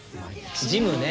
ジムね。